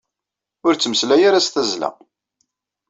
Ur ttmeslay ara s tazzla.